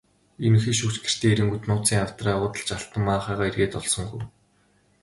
Ерөнхий шүүгч гэртээ ирэнгүүт нууцын авдраа уудалж алтан маахайгаа эрээд олсонгүй.